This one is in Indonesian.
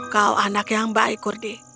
kau anak yang baik kurdi